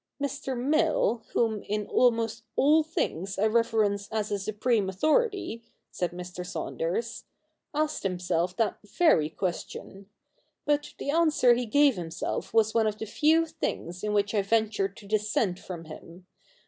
Mr. Mill, whom in almost all things I reverence as a supreme authority,' said Mr. Saunders, 'asked himself that very question. But the answer he gave himself was one of the few things in which I venture to dissent from him.